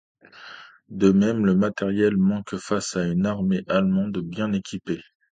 De même, le matériel manque face à une armée allemande bien équipée.